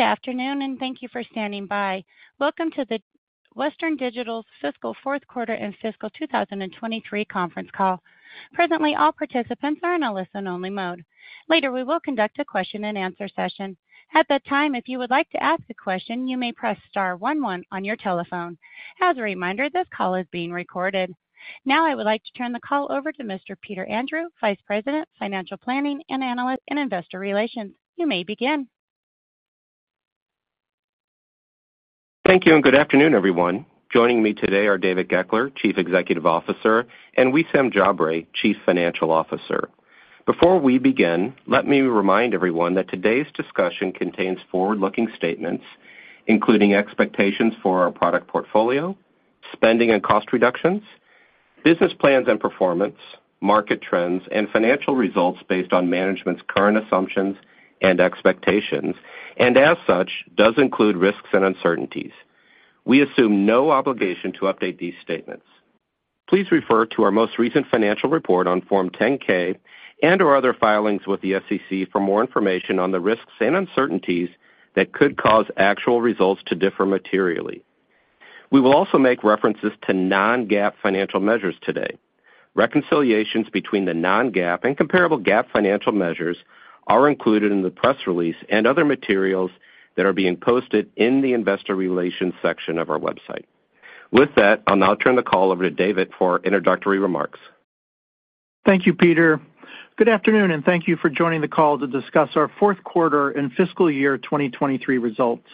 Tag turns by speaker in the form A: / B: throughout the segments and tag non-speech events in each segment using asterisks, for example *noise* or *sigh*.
A: Good afternoon, and thank you for standing by. Welcome to the Western Digital's fiscal fourth quarter and fiscal 2023 conference call. Presently, all participants are in a listen-only mode. Later, we will conduct a question and answer session. At that time, if you would like to ask a question, you may press star one one on your telephone. As a reminder, this call is being recorded. Now, I would like to turn the call over to Mr. Peter Andrew, Vice President, Financial Planning and Analysis and Investor Relations. You may begin.
B: Thank you, good afternoon, everyone. Joining me today are David Goeckeler, Chief Executive Officer, and Wissam Jabre, Chief Financial Officer. Before we begin, let me remind everyone that today's discussion contains forward-looking statements, including expectations for our product portfolio, spending and cost reductions, business plans and performance, market trends, and financial results based on management's current assumptions and expectations, and as such, does include risks and uncertainties. We assume no obligation to update these statements. Please refer to our most recent financial report on Form 10-K and/or other filings with the SEC for more information on the risks and uncertainties that could cause actual results to differ materially. We will also make references to non-GAAP financial measures today. Reconciliations between the non-GAAP and comparable GAAP financial measures are included in the press release and other materials that are being posted in the Investor Relations section of our website. With that, I'll now turn the call over to David for introductory remarks.
C: Thank you, Peter. Good afternoon, and thank you for joining the call to discuss our fourth quarter and fiscal year 2023 results.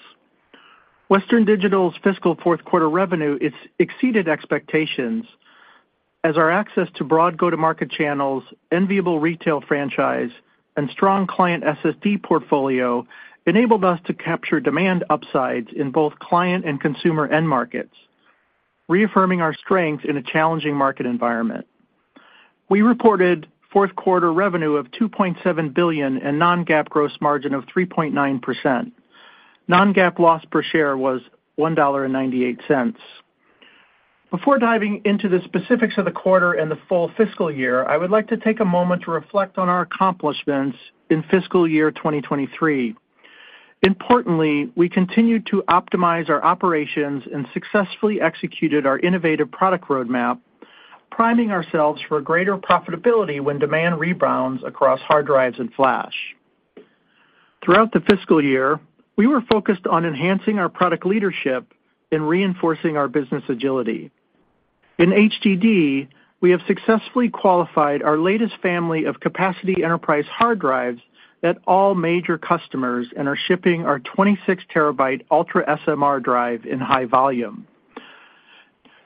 C: Western Digital's fiscal fourth quarter revenue exceeded expectations as our access to broad go-to-market channels, enviable retail franchise, and strong client SSD portfolio enabled us to capture demand upsides in both client and consumer end markets, reaffirming our strength in a challenging market environment. We reported fourth quarter revenue of $2.7 billion and non-GAAP gross margin of 3.9%. Non-GAAP loss per share was $1.98. Before diving into the specifics of the quarter and the full fiscal year, I would like to take a moment to reflect on our accomplishments in fiscal year 2023. Importantly, we continued to optimize our operations and successfully executed our innovative product roadmap, priming ourselves for greater profitability when demand rebounds across hard drives and flash. Throughout the fiscal year, we were focused on enhancing our product leadership and reinforcing our business agility. In HDD, we have successfully qualified our latest family of capacity enterprise hard drives at all major customers and are shipping our 26 TB UltraSMR drive in high volume.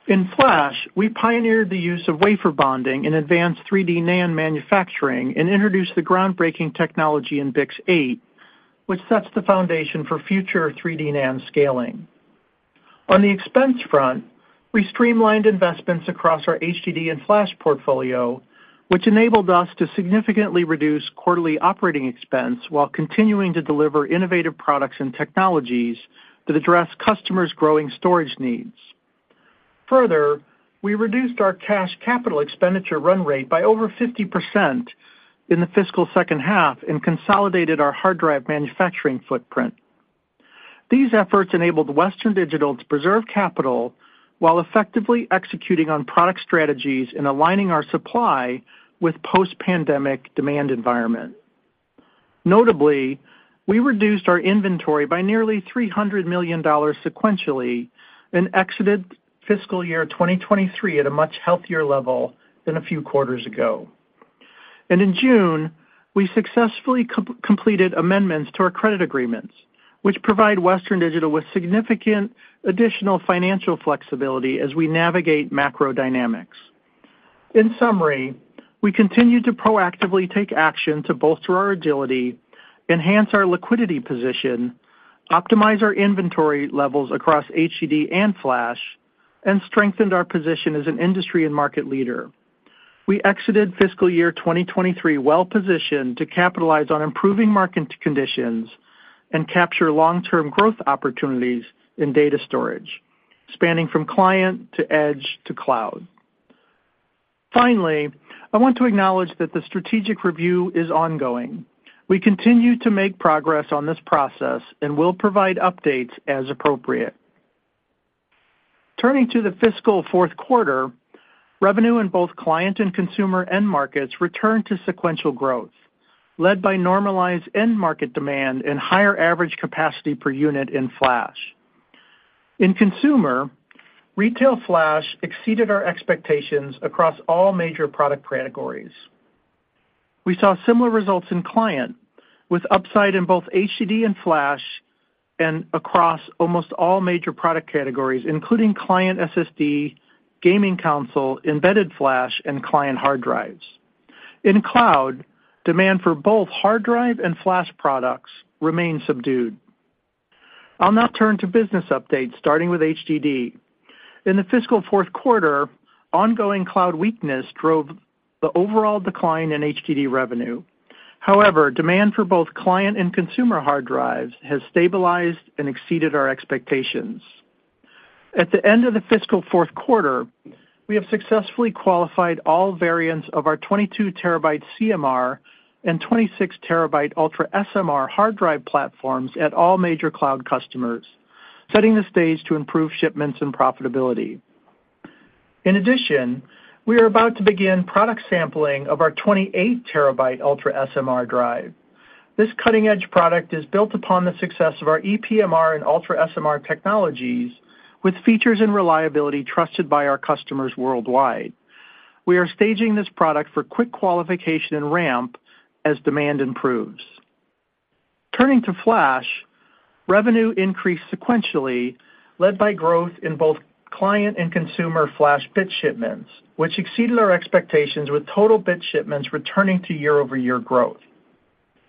C: In flash, we pioneered the use of wafer bonding in advanced 3D NAND manufacturing and introduced the groundbreaking technology in BiCS8, which sets the foundation for future 3D NAND scaling. On the expense front, we streamlined investments across our HDD and flash portfolio, which enabled us to significantly reduce quarterly operating expense while continuing to deliver innovative products and technologies that address customers' growing storage needs. Further, we reduced our cash capital expenditure run rate by over 50% in the fiscal second half and consolidated our hard drive manufacturing footprint. These efforts enabled Western Digital to preserve capital while effectively executing on product strategies and aligning our supply with post-pandemic demand environment. Notably, we reduced our inventory by nearly $300 million sequentially and exited fiscal year 2023 at a much healthier level than a few quarters ago. In June, we successfully completed amendments to our credit agreements, which provide Western Digital with significant additional financial flexibility as we navigate macro dynamics. In summary, we continued to proactively take action to bolster our agility, enhance our liquidity position, optimize our inventory levels across HDD and flash, and strengthened our position as an industry and market leader. We exited fiscal year 2023 well positioned to capitalize on improving market conditions and capture long-term growth opportunities in data storage, spanning from client to edge to cloud. Finally, I want to acknowledge that the strategic review is ongoing. We continue to make progress on this process and will provide updates as appropriate. Turning to the fiscal fourth quarter, revenue in both client and consumer end markets returned to sequential growth, led by normalized end-market demand and higher average capacity per unit in flash. In consumer, retail flash exceeded our expectations across all major product categories. We saw similar results in client, with upside in both HDD and flash and across almost all major product categories, including client SSD, gaming console, embedded flash, and client hard drives. In cloud, demand for both hard drive and flash products remains subdued. I'll now turn to business updates, starting with HDD. In the fiscal fourth quarter, ongoing cloud weakness drove the overall decline in HDD revenue. However, demand for both client and consumer hard drives has stabilized and exceeded our expectations. At the end of the fiscal fourth quarter, we have successfully qualified all variants of our 22 TB CMR and 26 TB UltraSMR hard drive platforms at all major cloud customers, setting the stage to improve shipments and profitability. In addition, we are about to begin product sampling of our 28 TB UltraSMR drive. This cutting-edge product is built upon the success of our EPMR and UltraSMR technologies, with features and reliability trusted by our customers worldwide. We are staging this product for quick qualification and ramp as demand improves. Turning to flash, revenue increased sequentially, led by growth in both client and consumer flash bit shipments, which exceeded our expectations, with total bit shipments returning to year-over-year growth.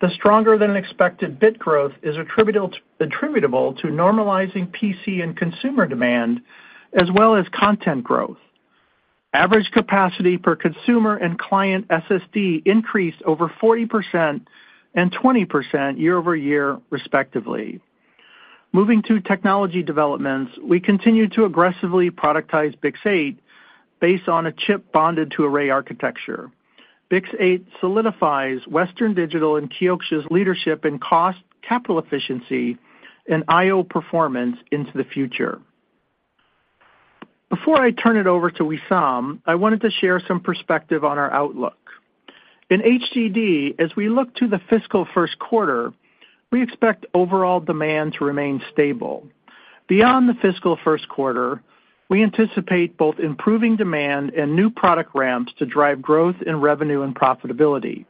C: The stronger than expected bit growth is attributable to normalizing PC and consumer demand, as well as content growth. Average capacity per consumer and client SSD increased over 40% and 20% year-over-year, respectively. Moving to technology developments, we continue to aggressively productize BiCS8 based on a chip bonded to array architecture. BiCS8 solidifies Western Digital and Kioxia's leadership in cost, capital efficiency, and IO performance into the future. Before I turn it over to Wissam, I wanted to share some perspective on our outlook. In HDD, as we look to the fiscal first quarter, we expect overall demand to remain stable. Beyond the fiscal first quarter, we anticipate both improving demand and new product ramps to drive growth in revenue and profitability.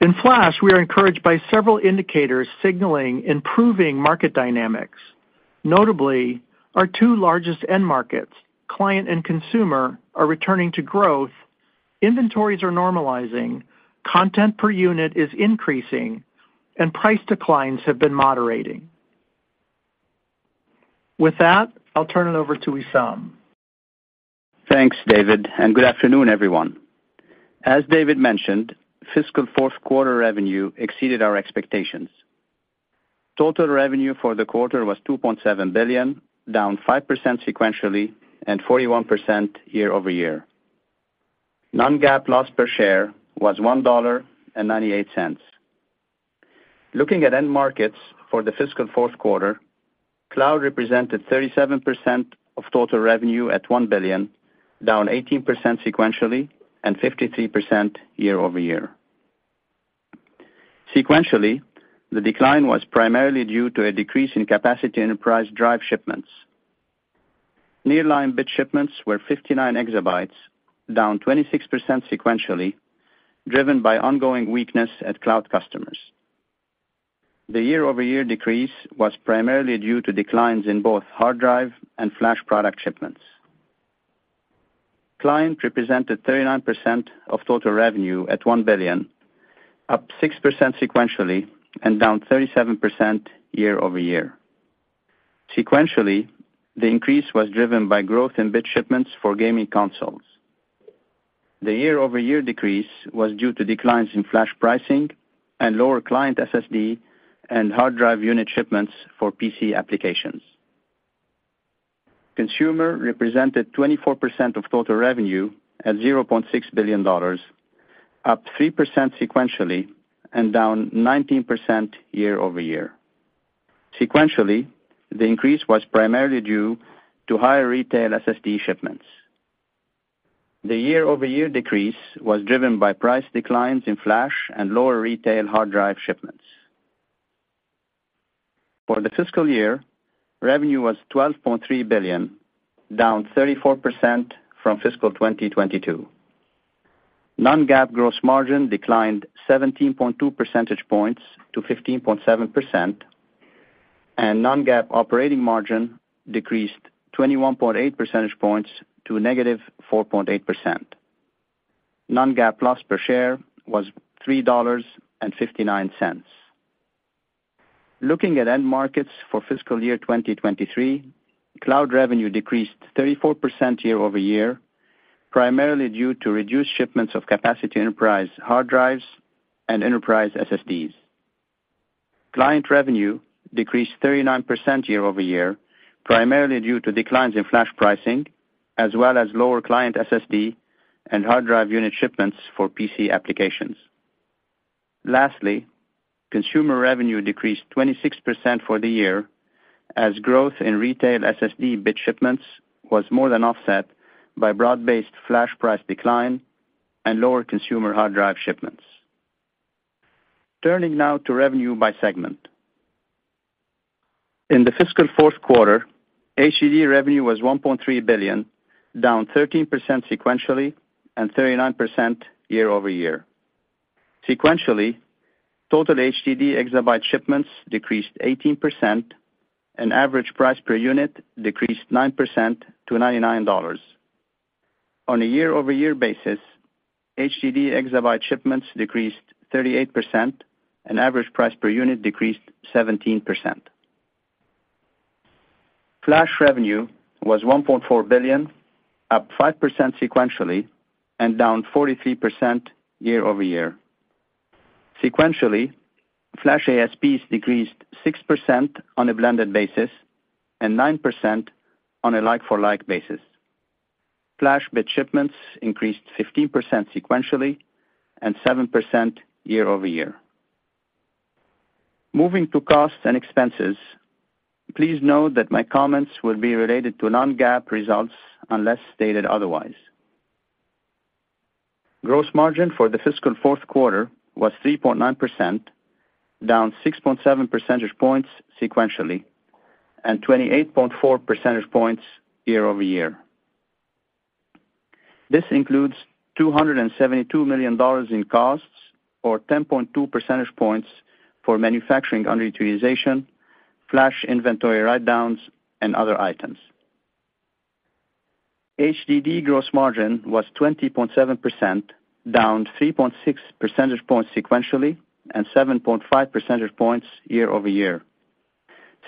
C: In flash, we are encouraged by several indicators signaling improving market dynamics. Notably, our two largest end markets, client and consumer, are returning to growth, inventories are normalizing, content per unit is increasing, and price declines have been moderating. With that, I'll turn it over to Wissam.
D: Thanks, David, and good afternoon, everyone. As David mentioned, fiscal fourth quarter revenue exceeded our expectations. Total revenue for the quarter was $2.7 billion, down 5% sequentially, and 41% year-over-year. Non-GAAP loss per share was $1.98. Looking at end markets for the fiscal fourth quarter, cloud represented 37% of total revenue at $1 billion, down 18% sequentially and 53% year-over-year. Sequentially, the decline was primarily due to a decrease in capacity enterprise drive shipments. Nearline bit shipments were 59 EB, down 26% sequentially, driven by ongoing weakness at cloud customers. The year-over-year decrease was primarily due to declines in both hard drive and flash product shipments. Client represented 39% of total revenue at $1 billion, up 6% sequentially and down 37% year-over-year. Sequentially, the increase was driven by growth in bit shipments for gaming consoles. The year-over-year decrease was due to declines in flash pricing and lower client SSD and hard drive unit shipments for PC applications. Consumer represented 24% of total revenue at $0.6 billion, up 3% sequentially and down 19% year-over-year. Sequentially, the increase was primarily due to higher retail SSD shipments. The year-over-year decrease was driven by price declines in flash and lower retail hard drive shipments. For the fiscal year, revenue was $12.3 billion, down 34% from fiscal 2022. Non-GAAP gross margin declined 17.2 percentage points to 15.7%, and non-GAAP operating margin decreased 21.8 percentage points to a negative 4.8%. Non-GAAP loss per share was $3.59. Looking at end markets for fiscal year 2023, cloud revenue decreased 34% year-over-year, primarily due to reduced shipments of capacity, enterprise, hard drives, and enterprise SSDs. Client revenue decreased 39% year-over-year, primarily due to declines in flash pricing, as well as lower client SSD and hard drive unit shipments for PC applications. Lastly, consumer revenue decreased 26% for the year, as growth in retail SSD bit shipments was more than offset by broad-based flash price decline and lower consumer hard drive shipments. Turning now to revenue by segment. In the fiscal fourth quarter, HDD revenue was $1.3 billion, down 13% sequentially and 39% year-over-year. Sequentially, total HDD exabyte shipments decreased 18%, and average price per unit decreased 9% to $99. On a year-over-year basis, HDD exabyte shipments decreased 38%, and average price per unit decreased 17%. Flash revenue was $1.4 billion, up 5% sequentially and down 43% year-over-year. Sequentially, flash ASPs decreased 6% on a blended basis and 9% on a like-for-like basis. flash bit shipments increased 15% sequentially and 7% year-over-year. Moving to costs and expenses, please note that my comments will be related to non-GAAP results unless stated otherwise. Gross margin for the fiscal fourth quarter was 3.9%, down 6.7 percentage points sequentially, and 28.4 percentage points year-over-year. This includes $272 million in costs, or 10.2 percentage points for manufacturing underutilization, flash inventory write-downs, and other items. HDD gross margin was 20.7%, down 3.6 percentage points sequentially, and 7.5 percentage points year-over-year.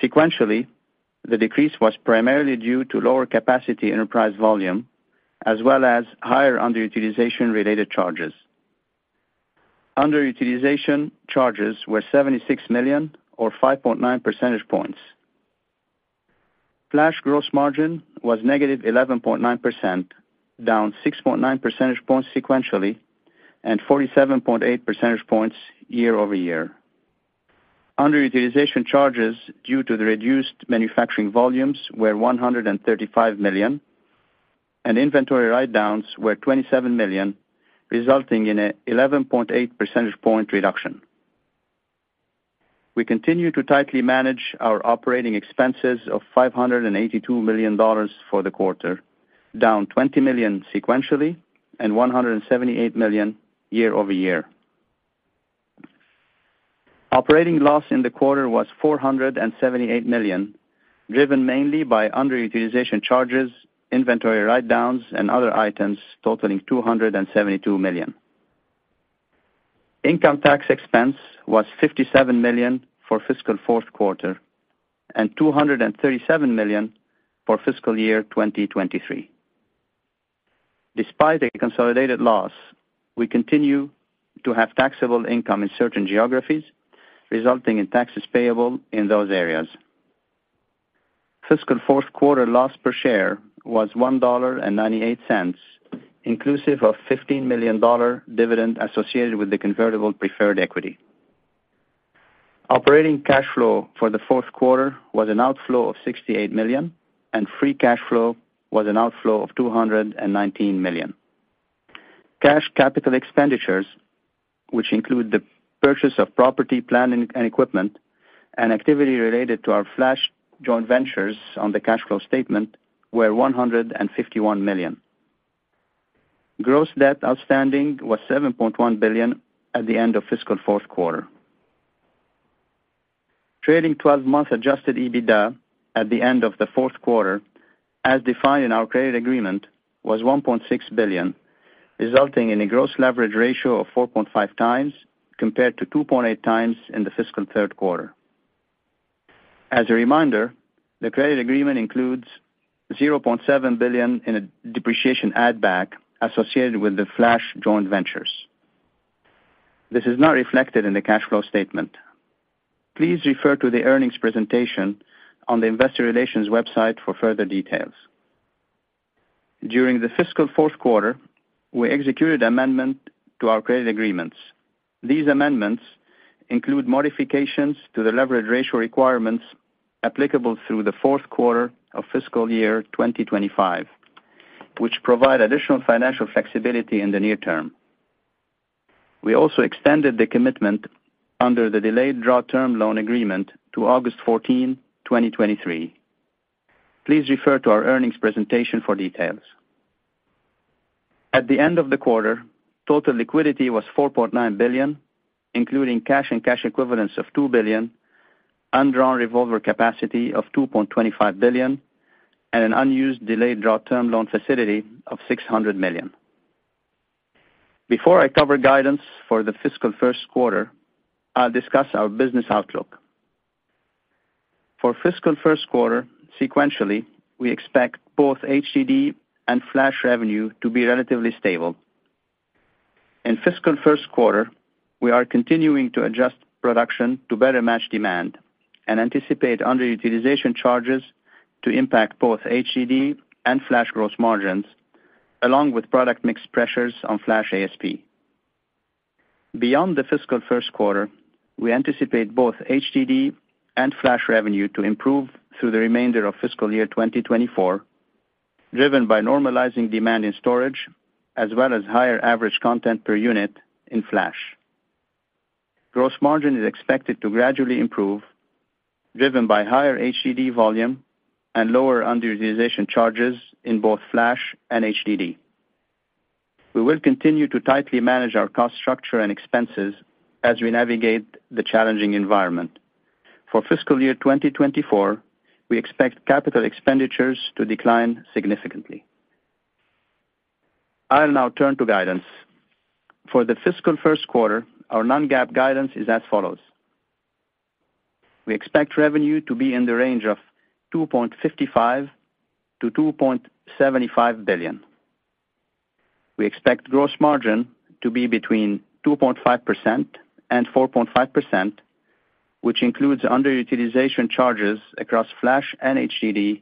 D: Sequentially, the decrease was primarily due to lower capacity enterprise volume, as well as higher underutilization related charges. Underutilization charges were $76 million, or 5.9 percentage points. Flash gross margin was negative 11.9%, down 6.9 percentage points sequentially, and 47.8 percentage points year-over-year. Underutilization charges due to the reduced manufacturing volumes were $135 million, and inventory write-downs were $27 million, resulting in an 11.8 percentage point reduction. We continue to tightly manage our operating expenses of $582 million for the quarter, down $20 million sequentially and $178 million year-over-year. Operating loss in the quarter was $478 million, driven mainly by underutilization charges, inventory write-downs, and other items totaling $272 million. Income tax expense was $57 million for fiscal fourth quarter and $237 million for fiscal year 2023. Despite a consolidated loss, we continue to have taxable income in certain geographies, resulting in taxes payable in those areas. Fiscal fourth quarter loss per share was $1.98, inclusive of $15 million dividend associated with the convertible preferred equity. Operating cash flow for the fourth quarter was an outflow of $68 million, and free cash flow was an outflow of $219 million. Cash capital expenditures, which include the purchase of property, planning, and equipment, and activity related to our flash joint ventures on the cash flow statement were $151 million. Gross debt outstanding was $7.1 billion at the end of fiscal fourth quarter. Trailing 12 month adjusted EBITDA at the end of the fourth quarter, as defined in our credit agreement, was $1.6 billion, resulting in a gross leverage ratio of 4.5x compared to 2.8x in the fiscal third quarter. As a reminder, the credit agreement includes $0.7 billion in a depreciation add-back associated with the flash joint ventures. This is not reflected in the cash flow statement. Please refer to the earnings presentation on the investor relations website for further details. During the fiscal fourth quarter, we executed amendment to our credit agreements. These amendments include modifications to the leverage ratio requirements applicable through the fourth quarter of fiscal year 2025, which provide additional financial flexibility in the near term. We also extended the commitment under the delayed draw term loan agreement to August 14, 2023. Please refer to our earnings presentation for details. At the end of the quarter, total liquidity was $4.9 billion, including cash and cash equivalents of $2 billion, undrawn revolver capacity of $2.25 billion, and an unused delayed draw term loan facility of $600 million. Before I cover guidance for the fiscal first quarter, I'll discuss our business outlook. For fiscal first quarter sequentially, we expect both HDD and flash revenue to be relatively stable. In fiscal first quarter, we are continuing to adjust production to better match demand and anticipate underutilization charges to impact both HDD and flash gross margins, along with product mix pressures on flash ASP. Beyond the fiscal first quarter, we anticipate both HDD and flash revenue to improve through the remainder of fiscal year 2024, driven by normalizing demand in storage, as well as higher average content per unit in flash. Gross margin is expected to gradually improve, driven by higher HDD volume and lower underutilization charges in both flash and HDD. We will continue to tightly manage our cost structure and expenses as we navigate the challenging environment. For fiscal year 2024, we expect capital expenditures to decline significantly. I'll now turn to guidance. For the fiscal first quarter, our non-GAAP guidance is as follows: We expect revenue to be in the range of $2.55 billion-$2.75 billion. We expect gross margin to be between 2.5% and 4.5%, which includes underutilization charges across flash and HDD,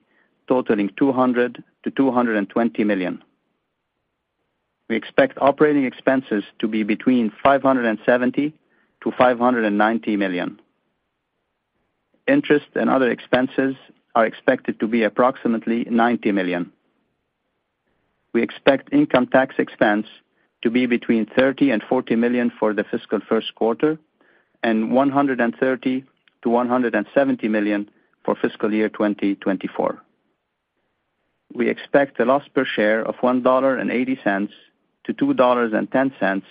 D: totaling $200 million-$220 million. We expect operating expenses to be between $570 million-$590 million. Interest and other expenses are expected to be approximately $90 million. We expect income tax expense to be between $30 million and $40 million for the fiscal first quarter and $130 million-$170 million for fiscal year 2024. We expect a loss per share of $1.80-$2.10,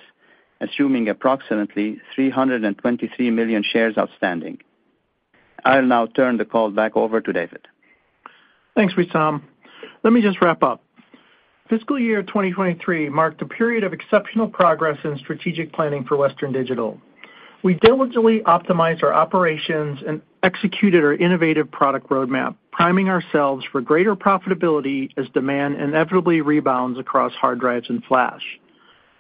D: assuming approximately 323 million shares outstanding. I'll now turn the call back over to David.
C: Thanks, Wissam. Let me just wrap up. Fiscal year 2023 marked a period of exceptional progress in strategic planning for Western Digital. We diligently optimized our operations and executed our innovative product roadmap, priming ourselves for greater profitability as demand inevitably rebounds across hard drives and flash.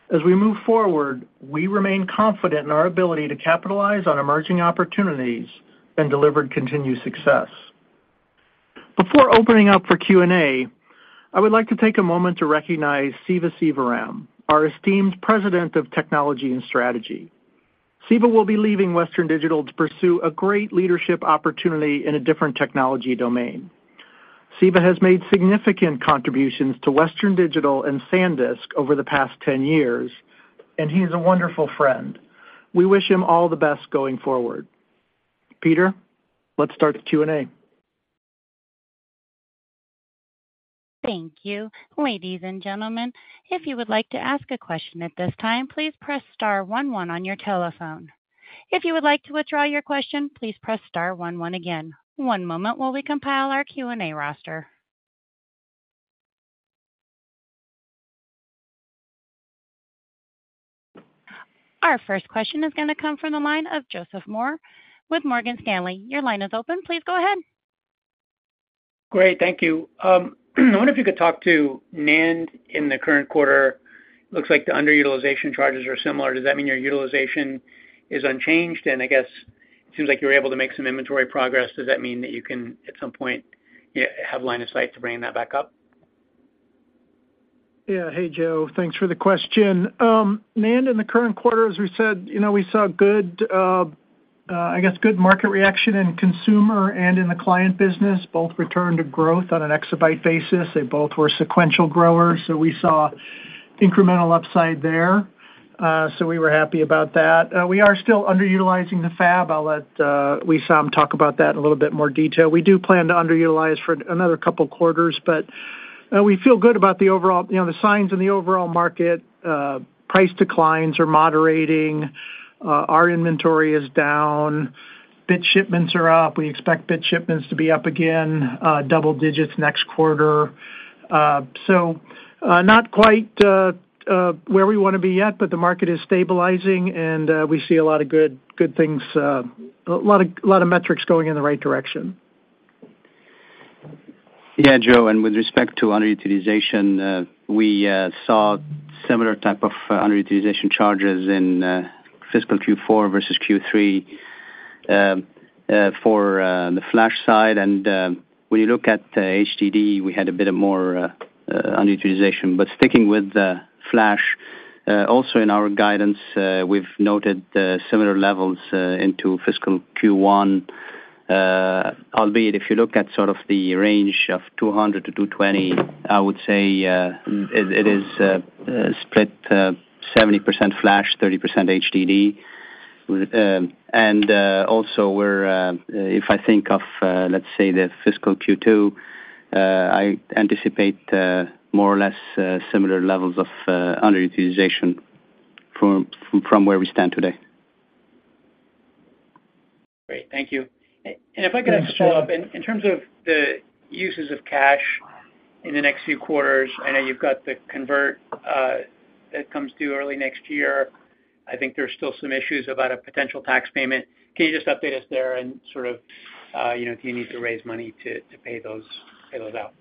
C: As we move forward, we remain confident in our ability to capitalize on emerging opportunities and deliver continued success. Before opening up for Q&A, I would like to take a moment to recognize Siva Sivaram, our esteemed President of Technology and Strategy. Siva will be leaving Western Digital to pursue a great leadership opportunity in a different technology domain. Siva has made significant contributions to Western Digital and SanDisk over the past 10 years, and he is a wonderful friend. We wish him all the best going forward. Peter, let's start the Q&A.
A: Thank you. Ladies and gentlemen, if you would like to ask a question at this time, please press star one one on your telephone. If you would like to withdraw your question, please press star one one again. One moment while we compile our Q&A roster. Our first question is going to come from the line of Joseph Moore with Morgan Stanley. Your line is open. Please go ahead.
E: Great, thank you. I wonder if you could talk to NAND in the current quarter. Looks like the underutilization charges are similar. Does that mean your utilization is unchanged? I guess it seems like you were able to make some inventory progress. Does that mean that you can, at some point, yeah, have line of sight to bringing that back up?
C: Yeah. Hey, Joe, thanks for the question. NAND in the current quarter, as we said, you know, we saw good, I guess, good market reaction in consumer and in the client business, both returned to growth on an exabyte basis. They both were sequential growers, so we saw incremental upside there, so we were happy about that. We are still underutilizing the fab. I'll let Wissam talk about that in a little bit more detail. We do plan to underutilize for another couple of quarters. We feel good about the overall, you know, the signs in the overall market. Price declines are moderating, our inventory is down, bit shipments are up. We expect bit shipments to be up again, double digits next quarter. Not quite where we wanna be yet, but the market is stabilizing, and we see a lot of good, good things, a lot of, lot of metrics going in the right direction.
D: Yeah, Joe, with respect to underutilization, we saw similar type of underutilization charges in fiscal Q4 versus Q3 for the flash side. When you look at HDD, we had a bit of more underutilization. Sticking with the flash, also in our guidance, we've noted similar levels into fiscal Q1. Albeit, if you look at sort of the range of 200 to 220, I would say, it is split 70% flash, 30% HDD. Also we're... If I think of, let's say, the fiscal Q2, I anticipate more or less similar levels of underutilization from, from where we stand today.
E: Great. Thank you.
C: Thanks, Joe.
E: If I could follow up, in, in terms of the uses of cash in the next few quarters, I know you've got the convert that comes due early next year. I think there's still some issues about a potential tax payment. Can you just update us there and sort of, you know, if you need to raise money to, to pay those, pay those out?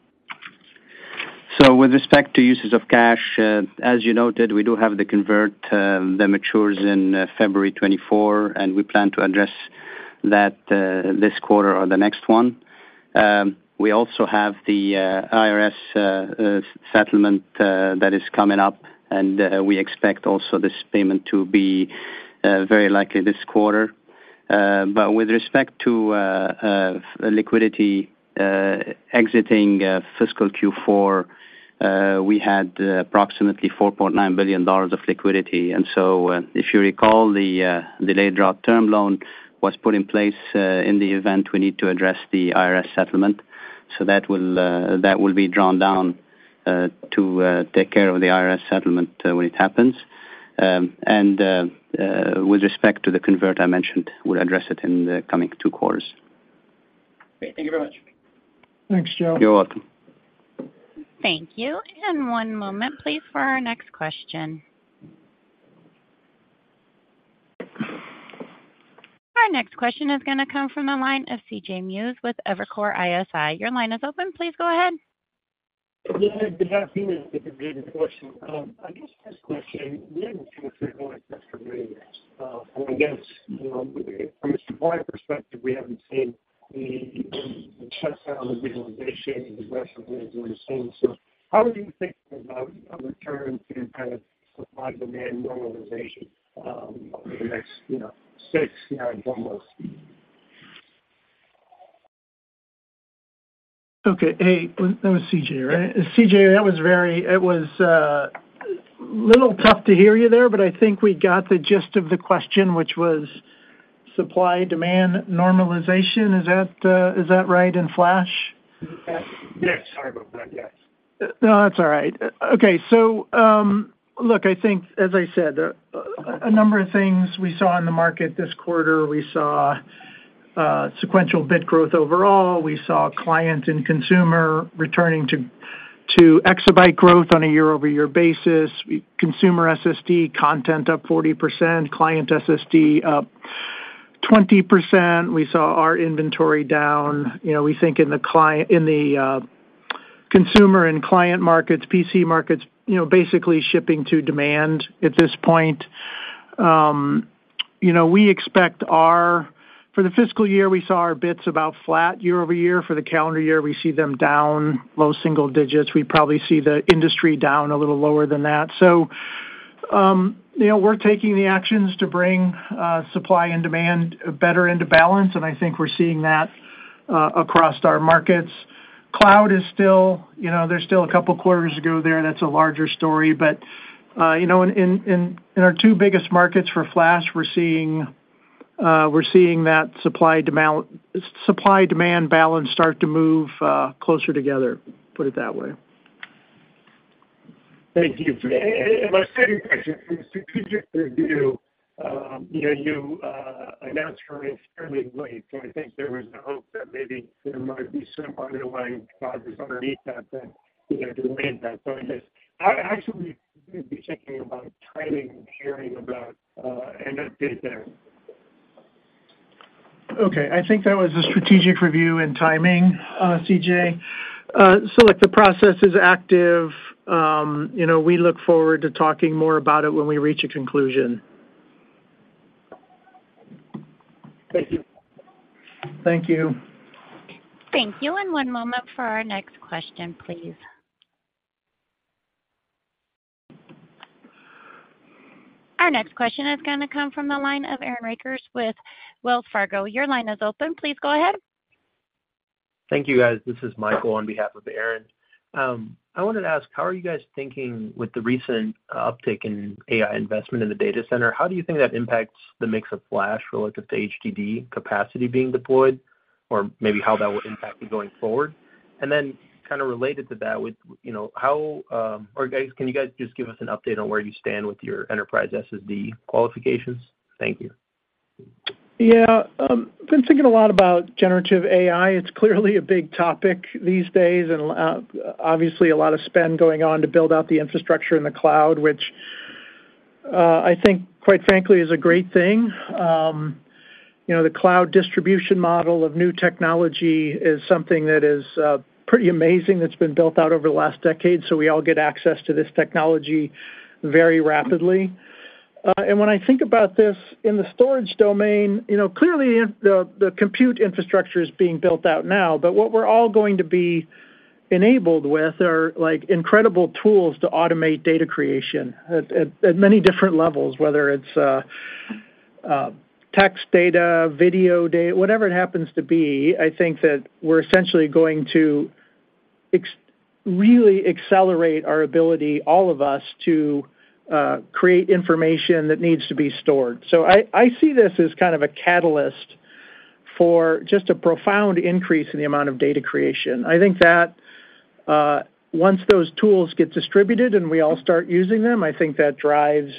D: With respect to uses of cash, as you noted, we do have the convert that matures in February 2024, and we plan to address that this quarter or the next one. We also have the IRS settlement that is coming up, and we expect also this payment to be very likely this quarter. With respect to liquidity, exiting fiscal Q4, we had approximately $4.9 billion of liquidity. If you recall, the delayed draw term loan was put in place in the event we need to address the IRS settlement. That will be drawn down to take care of the IRS settlement when it happens. With respect to the convert I mentioned, we'll address it in the coming two quarters.
E: Great. Thank you very much.
C: Thanks, Joe.
D: You're welcome.
A: Thank you. One moment, please, for our next question. Our next question is going to come from the line of CJ Muse with Evercore ISI. Your line is open. Please go ahead.
F: Yeah, good afternoon. This is CJ Muse. I guess first question, we haven't seen a great recovery yet. I guess, you know, from a supply perspective, we haven't seen the, the shut down and virtualization and the rest of it doing the same. How are you thinking about a return to kind of supply-demand normalization, over the next six months?
C: Okay. Hey, that was CJ, right? CJ, that was very. It was a little tough to hear you there, but I think we got the gist of the question, which was supply, demand, normalization. Is that, is that right in flash?
F: Yes. Sorry about that. Yes.
C: No, that's all right. Okay, look, I think, as I said, a number of things we saw in the market this quarter, we saw sequential bit growth overall. We saw client and consumer returning to exabyte growth on a year-over-year basis. Consumer SSD content up 40%, client SSD up 20%. We saw our inventory down. You know, we think in the client in the consumer and client markets, PC markets, you know, basically shipping to demand at this point. You know, we expect our... For the fiscal year, we saw our bits about flat year-over-year. For the calendar year, we see them down low single digits. We probably see the industry down a little lower than that. You know, we're taking the actions to bring supply and demand better into balance, and I think we're seeing that across our markets. Cloud is still, you know, there's still a couple of quarters to go there, and that's a larger story. You know, in, in, in, in our two biggest markets for flash, we're seeing, we're seeing that supply demand, supply, demand balance start to move closer together, put it that way.
F: Thank you. My second question, the strategic review, you know, you announced fairly, fairly late, so I think there was a hope that maybe there might be some underlying causes underneath that, that, you know, to land that. So I guess, how, how should we be thinking about timing and hearing about an update there?
C: Okay, I think that was a strategic review and timing, CJ look, the process is active. You know, we look forward to talking more about it when we reach a conclusion.
F: Thank you.
C: Thank you.
A: Thank you. One moment for our next question, please. Our next question is going to come from the line of Aaron Rakers with Wells Fargo. Your line is open. Please go ahead.
G: Thank you, guys. This is Michael on behalf of Aaron. I wanted to ask, how are you guys thinking with the recent uptick in AI investment in the data center, how do you think that impacts the mix of flash relative to HDD capacity being deployed? Or maybe how that will impact you going forward? Then kind of related to that, with, you know, or guys, can you guys just give us an update on where you stand with your enterprise SSD qualifications? Thank you.
C: Yeah. Been thinking a lot about generative AI. It's clearly a big topic these days, and, obviously, a lot of spend going on to build out the infrastructure in the cloud, which, I think, quite frankly, is a great thing. You know, the cloud distribution model of new technology is something that is, pretty amazing, that's been built out over the last decade, so we all get access to this technology very rapidly. When I think about this in the storage domain, you know, clearly, the compute infrastructure is being built out now, but what we're all going to be enabled with are, like, incredible tools to automate data creation at many different levels, whether it's text data, video whatever it happens to be. I think that we're essentially going to really accelerate our ability, all of us, to create information that needs to be stored. I, I see this as kind of a catalyst for just a profound increase in the amount of data creation. I think that once those tools get distributed and we all start using them, I think that drives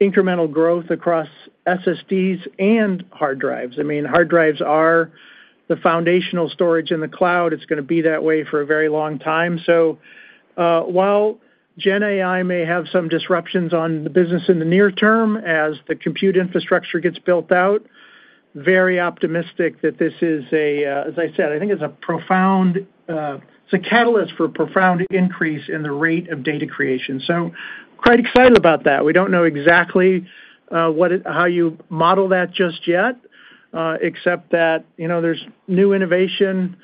C: incremental growth across SSDs and hard drives. I mean, hard drives are the foundational storage in the cloud. It's going to be that way for a very long time. While GenAI may have some disruptions on the business in the near term, as the compute infrastructure gets built out, very optimistic that this is a, as I said, I think it's a profound, it's a catalyst for a profound increase in the rate of data creation. Quite excited about that. We don't know exactly how you model that just yet, except that, you know, there's new innovation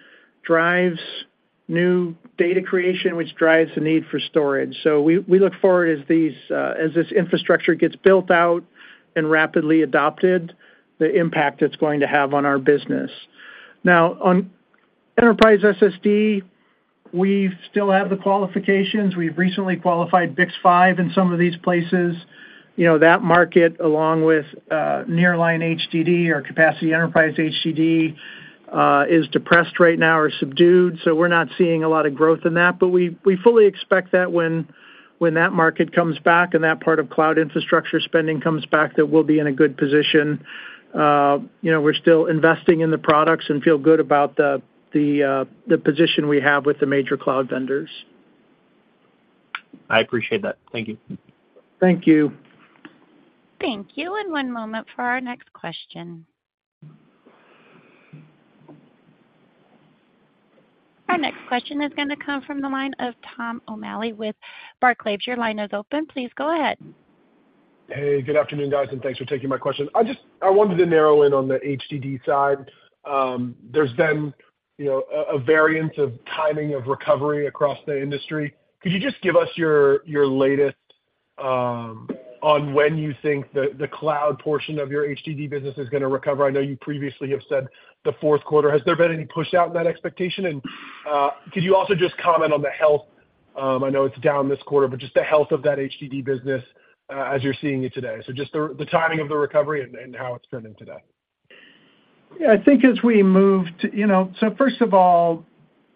C: drives new data creation, which drives the need for storage. We, we look forward as these, as this infrastructure gets built out and rapidly adopted, the impact it's going to have on our business. Now, on enterprise SSD, we still have the qualifications. We've recently qualified BiCS5 in some of these places. You know, that market, along with, nearline HDD or capacity enterprise HDD, is depressed right now or subdued, so we're not seeing a lot of growth in that. We, we fully expect that when, when that market comes back and that part of cloud infrastructure spending comes back, that we'll be in a good position. You know, we're still investing in the products and feel good about the, the, the position we have with the major cloud vendors....
G: I appreciate that. Thank you. Thank you.
A: Thank you. One moment for our next question. Our next question is going to come from the line of Tom O'Malley with Barclays. Your line is open. Please go ahead.
H: Hey, good afternoon, guys, thanks for taking my question. I wanted to narrow in on the HDD side. There's been, you know, a, a variance of timing of recovery across the industry. Could you just give us your, your latest on when you think the, the cloud portion of your HDD business is going to recover? I know you previously have said the fourth quarter. Has there been any push out in that expectation? Could you also just comment on the health, I know it's down this quarter, but just the health of that HDD business as you're seeing it today. Just the, the timing of the recovery and, and how it's trending today.
C: I think as we move to, you know, first of all,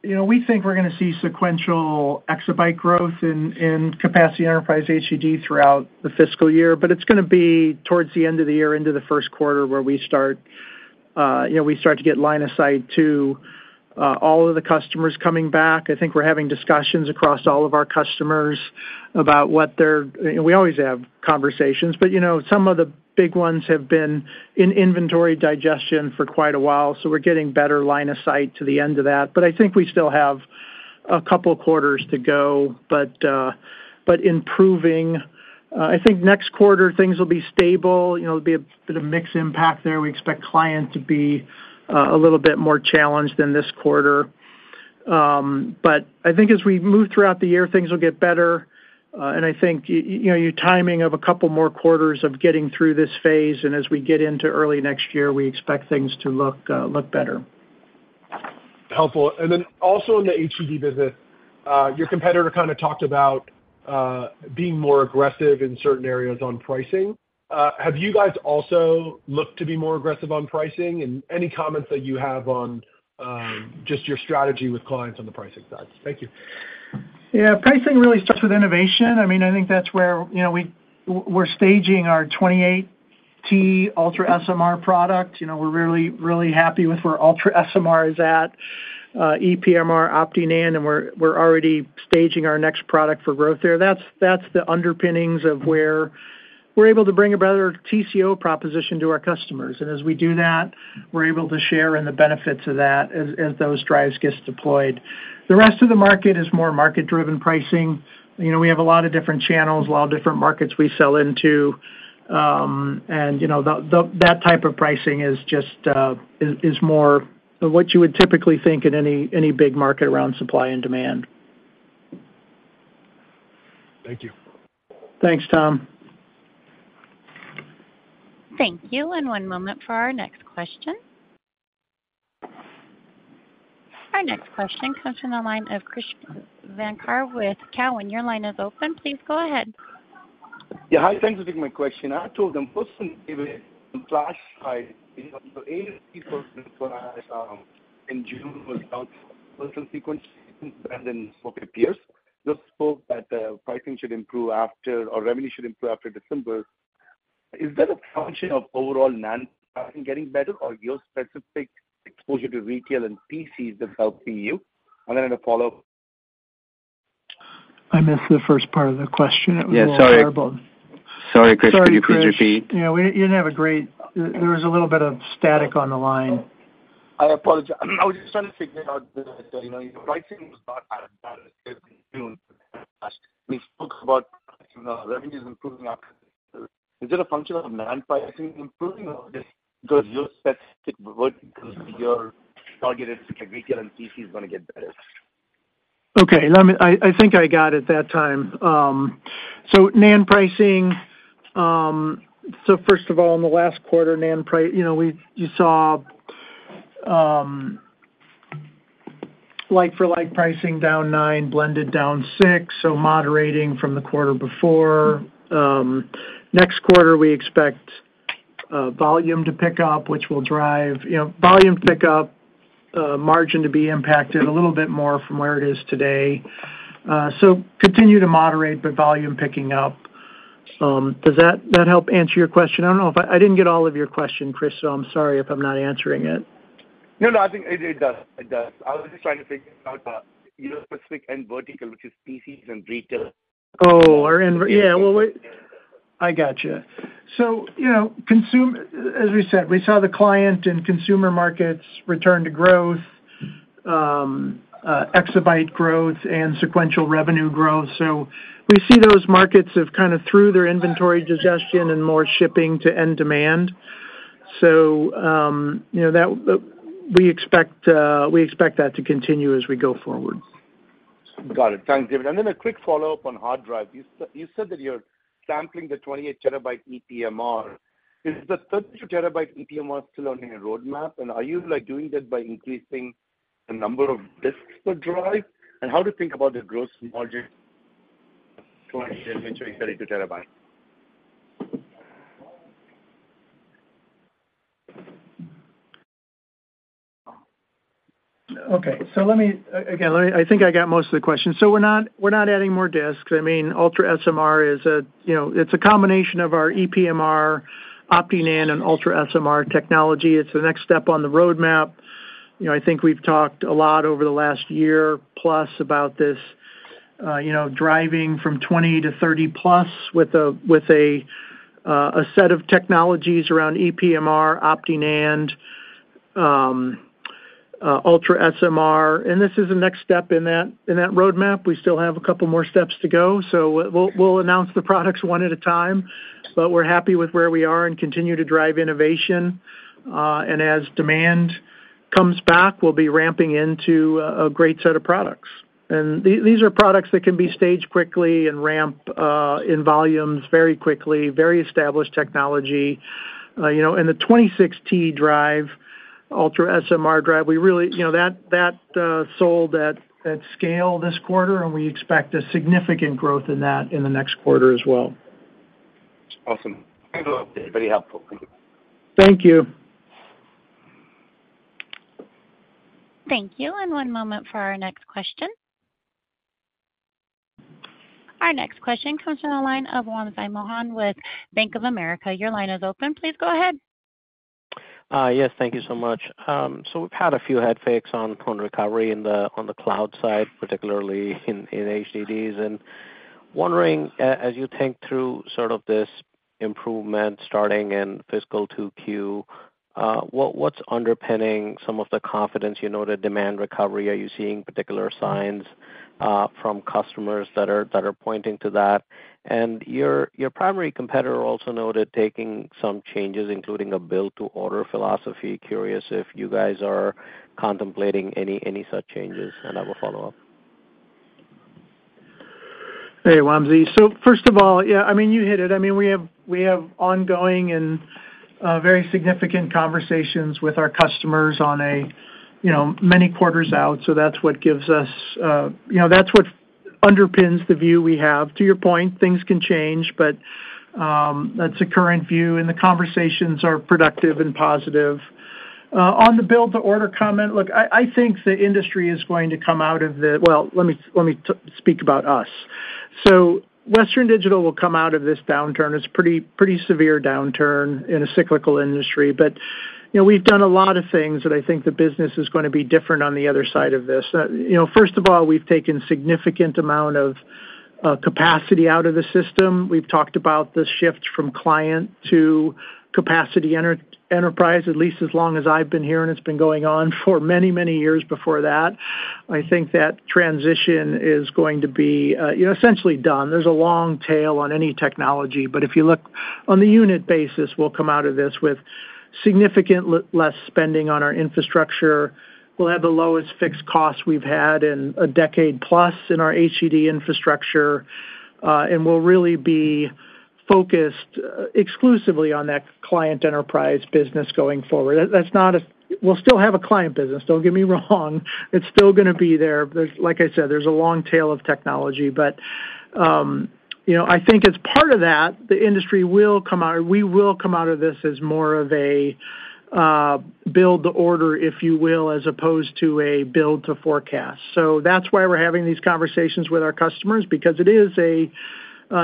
C: you know, we think we're going to see sequential exabyte growth in, in capacity enterprise HDD throughout the fiscal year, but it's going to be towards the end of the year, into the first quarter, where we start, you know, we start to get line of sight to all of the customers coming back. I think we're having discussions across all of our customers about what they're - we always have conversations, but, you know, some of the big ones have been in inventory digestion for quite a while, so we're getting better line of sight to the end of that. I think we still have a couple quarters to go, but improving. I think next quarter, things will be stable. You know, there'll be a bit of mixed impact there. We expect clients to be a little bit more challenged than this quarter. I think as we move throughout the year, things will get better. I think, you know, your timing of a couple more quarters of getting through this phase, and as we get into early next year, we expect things to look look better.
H: Helpful. Also in the HDD business, your competitor kind of talked about being more aggressive in certain areas on pricing. Have you guys also looked to be more aggressive on pricing? Any comments that you have on, just your strategy with clients on the pricing side? Thank you.
C: Yeah, pricing really starts with innovation. I mean, I think that's where, you know, we're staging our 28 TB UltraSMR product. You know, we're really, really happy with where UltraSMR is at, EPMR, OptiNAND, and we're, we're already staging our next product for growth there. That's, that's the underpinnings of where we're able to bring a better TCO proposition to our customers. And as we do that, we're able to share in the benefits of that as, as those drives gets deployed. The rest of the market is more market-driven pricing. You know, we have a lot of different channels, a lot of different markets we sell into. You know, the that type of pricing is just, is, is more of what you would typically think in any, any big market around supply and demand.
H: Thank you.
C: Thanks, Tom.
A: Thank you, and one moment for our next question. Our next question comes from the line of Krish Sankar with Cowen. Your line is open. Please go ahead.
I: Yeah. Hi, thanks for taking my question. I told them personally, in flash drive *audio distortion* June, personal sequence than for peers. Just hope that pricing should improve after, or revenue should improve after December. Is that a function of overall NAND pricing getting better, or your specific exposure to retail and PCs that's helping you? Then a follow-up.
C: I missed the first part of the question. It was a little horrible.
B: Yeah, sorry. Sorry, Krish, could you please repeat?
C: Yeah, we didn't have a great... There was a little bit of static on the line.
I: I apologize. I was just trying to figure out that, *audio distortion* your pricing was not as bad as it was in June. We spoke about, you know, revenues improving after. Is it a function of NAND pricing improving or just because your specific vertical, your targeted retail and PC is going to get better?
C: Okay, let me-- I, I think I got it that time. NAND pricing, first of all, in the last quarter, NAND price, you know, you saw, like for like, pricing down 9%, blended down 6%, so moderating from the quarter before. Next quarter, we expect volume to pick up, which will drive, you know, volume to pick up, margin to be impacted a little bit more from where it is today. Continue to moderate, but volume picking up. Does that help answer your question? I don't know. I, I didn't get all of your question, Krish, so I'm sorry if I'm not answering it.
I: No, no, I think it, it does. It does. I was just trying to figure out your specific end vertical, which is PCs and retail.
C: Oh, yeah. Well, wait, I got you. You know, as we said, we saw the client and consumer markets return to growth, exabyte growth and sequential revenue growth. We see those markets have kind of through their inventory digestion and more shipping to end demand. You know, we expect that to continue as we go forward.
I: Got it. Thanks, David. Then a quick follow-up on hard drive. You said that you're sampling the 28 TB EPMR. Is the 32 TB EPMR still on your roadmap? Are you, like, doing that by increasing the number of disks per drive? How do you think about the gross margin for inventory of 32 TB?
C: Again, I think I got most of the question. We're not, we're not adding more disks. I mean, UltraSMR is a, you know, it's a combination of our EPMR, OptiNAND, and UltraSMR technology. It's the next step on the roadmap. You know, I think we've talked a lot over the last year plus about this, you know, driving from 20 to 30+ with a, with a set of technologies around EPMR, OptiNAND, UltraSMR, and this is the next step in that, in that roadmap. We still have a couple more steps to go. We'll, we'll announce the products one at a time. We're happy with where we are and continue to drive innovation. As demand comes back, we'll be ramping into a, a great set of products. These are products that can be staged quickly and ramp in volumes very quickly, very established technology. You know, the 26 TB drive, UltraSMR drive, we really, you know, that, that sold at, at scale this quarter, and we expect a significant growth in that in the next quarter as well.
I: Awesome. Thanks a lot. Very helpful.
C: Thank you.
A: Thank you, and one moment for our next question. Our next question comes from the line of Wamsi Mohan with Bank of America. Your line is open. Please go ahead.
J: Yes, thank you so much. We've had a few head fakes on recovery on the cloud side, particularly in, in HDDs. Wondering, as you think through sort of this improvement starting in fiscal 2Q, what's underpinning some of the confidence, you know, the demand recovery? Are you seeing particular signs, from customers that are, that are pointing to that? Your, your primary competitor also noted taking some changes, including a build-to-order philosophy. Curious if you guys are contemplating any, any such changes, and I will follow up.
C: Hey, Wamsi. First of all, yeah, I mean, you hit it. I mean, we have, we have ongoing and very significant conversations with our customers on a, you know, many quarters out, so that's what gives us, you know, that's what underpins the view we have. To your point, things can change, but that's the current view, and the conversations are productive and positive. On the build-to-order comment, look, I, I think the industry is going to come out of the... Well, let me, let me speak about us. Western Digital will come out of this downturn. It's pretty, pretty severe downturn in a cyclical industry, but, you know, we've done a lot of things that I think the business is gonna be different on the other side of this. You know, first of all, we've taken significant amount of capacity out of the system. We've talked about the shift from client to capacity enterprise, at least as long as I've been here, and it's been going on for many, many years before that. I think that transition is going to be, you know, essentially done. There's a long tail on any technology, but if you look on the unit basis, we'll come out of this with significant less spending on our infrastructure. We'll have the lowest fixed costs we've had in a decade plus in our HDD infrastructure, and we'll really be focused exclusively on that client enterprise business going forward. We'll still have a client business, don't get me wrong. It's still gonna be there. There's, like I said, there's a long tail of technology, but, you know, I think as part of that, the industry will come out, or we will come out of this as more of a build-to-order, if you will, as opposed to a build-to-forecast. That's why we're having these conversations with our customers, because it is a,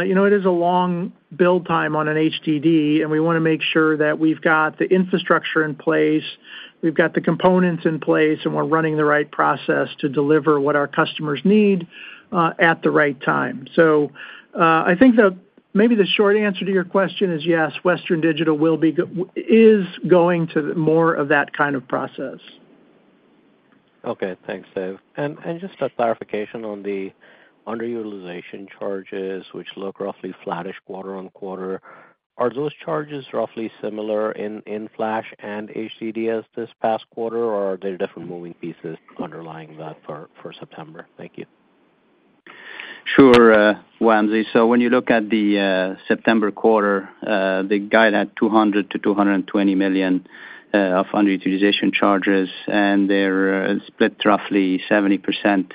C: you know, it is a long build time on an HDD, and we want to make sure that we've got the infrastructure in place, we've got the components in place, and we're running the right process to deliver what our customers need at the right time. I think that maybe the short answer to your question is yes, Western Digital will be is going to more of that kind of process.
J: Okay. Thanks, Dave. Just a clarification on the underutilization charges, which look roughly flattish quarter-on-quarter. Are those charges roughly similar in flash and HDDs this past quarter, or are there different moving pieces underlying that for September? Thank you.
D: Sure, Wamsi. When you look at the September quarter, the guide had $200 million-$220 million of underutilization charges, and they're split roughly 70%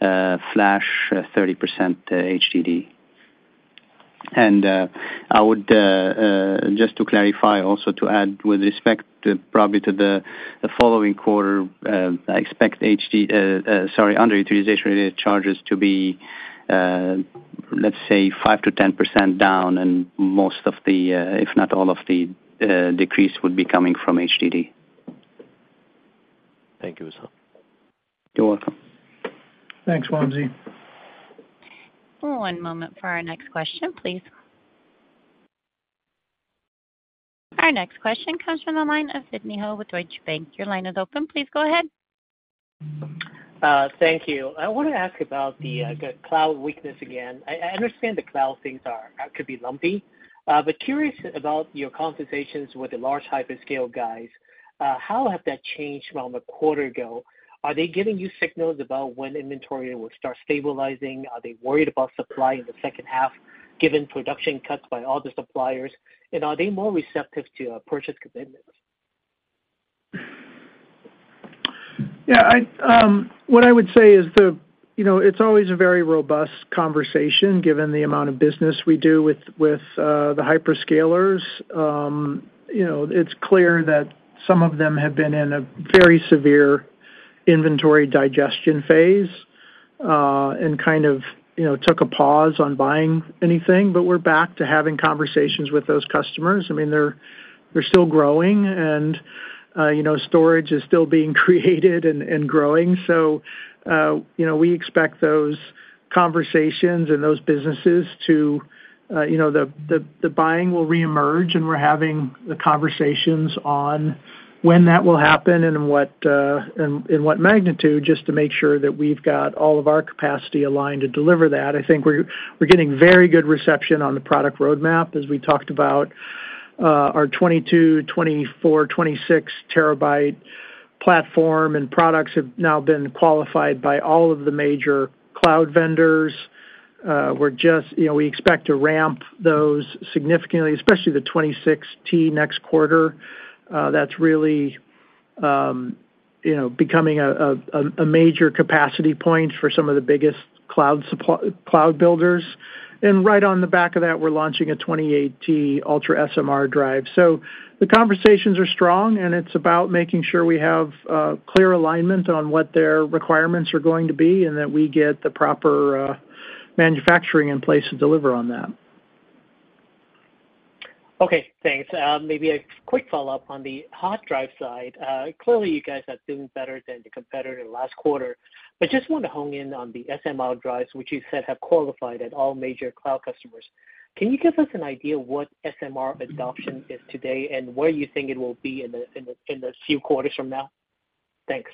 D: flash, 30% HDD. I would just to clarify, also to add, with respect to, probably to the following quarter, I expect HD... sorry, underutilization-related charges to be, let's say, 5%-10% down, and most of the, if not all of the decrease would be coming from HDD.
J: Thank you, Wissam.
D: You're welcome.
C: Thanks, Wamsi.
A: One moment for our next question, please. Our next question comes from the line of Sidney Ho with Deutsche Bank. Your line is open. Please go ahead.
K: Thank you. I want to ask about the cloud weakness again. I, I understand the cloud things are could be lumpy, but curious about your conversations with the large hyperscale guys. How has that changed from a quarter ago? Are they giving you signals about when inventory will start stabilizing? Are they worried about supply in the second half, given production cuts by all the suppliers? And are they more receptive to purchase commitments?
C: Yeah, I, what I would say is the, you know, it's always a very robust conversation, given the amount of business we do with, with the hyperscalers. You know, it's clear that some of them have been in a very severe inventory digestion phase, and kind of, you know, took a pause on buying anything, but we're back to having conversations with those customers. I mean, they're, they're still growing, and, you know, storage is still being created and, and growing. You know, we expect those conversations and those businesses to, you know, the, the, the buying will reemerge, and we're having the conversations on when that will happen and in what, and in what magnitude, just to make sure that we've got all of our capacity aligned to deliver that. I think we're, we're getting very good reception on the product roadmap. As we talked about, our 22 TB, 24 TB, 26 TB platform and products have now been qualified by all of the major cloud vendors. We're you know, we expect to ramp those significantly, especially the 26 TB next quarter. That's really, you know, becoming a, a, a major capacity point for some of the biggest cloud builders. Right on the back of that, we're launching a 28 TB Ultra SMR drive. The conversations are strong, and it's about making sure we have clear alignment on what their requirements are going to be, and that we get the proper manufacturing in place to deliver on that.
K: Okay, thanks. maybe a quick follow-up on the hard drive side. clearly, you guys are doing better than the competitor last quarter, but just want to hone in on the SMR drives, which you said have qualified at all major cloud customers. Can you give us an idea what SMR adoption is today, and where you think it will be in the few quarters from now? Thanks.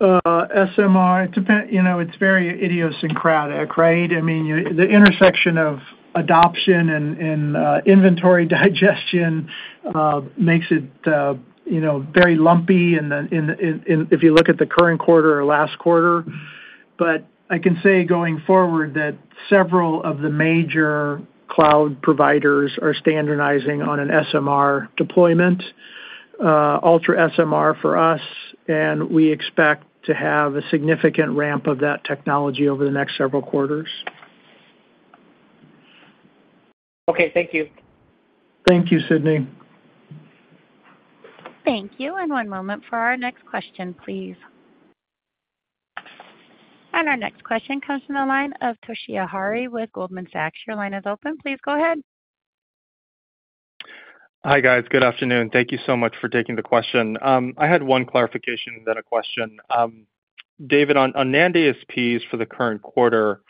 C: SMR. You know, it's very idiosyncratic, right? I mean, the intersection of adoption and inventory digestion makes it, you know, very lumpy, and then in if you look at the current quarter or last quarter. I can say, going forward, that several of the major cloud providers are standardizing on an SMR deployment, Ultra SMR for us, and we expect to have a significant ramp of that technology over the next several quarters.
K: Okay, thank you.
C: Thank you, Sidney.
A: Thank you, and one moment for our next question, please. Our next question comes from the line of Toshiya Hari with Goldman Sachs. Your line is open. Please go ahead.
L: Hi, guys. Good afternoon. Thank you so much for taking the question. I had one clarification, then a question. David, on, on NAND ASPs for the current quarter,